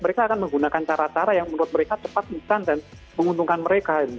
mereka akan menggunakan cara cara yang menurut mereka cepat lisan dan menguntungkan mereka